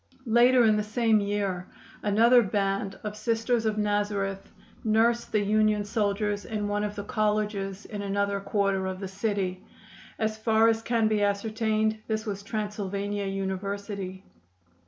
Later in the same year another band of Sisters of Nazareth nursed the Union soldiers in one of the colleges in another quarter of the city. As far as can be ascertained this was Transylvania University.